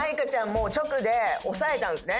もう直で押さえたんですね。